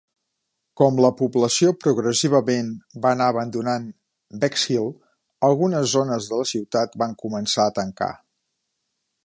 Com la població progressivament va anar abandonant Bexhill, algunes zones de la ciutat van començar a tancar.